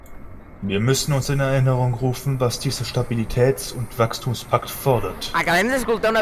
Wir müssen uns in Erinnerung rufen, was dieser Stabilitätsund Wachstumspakt fordert.